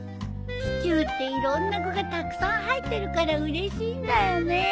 シチューっていろんな具がたくさん入ってるからうれしいんだよね。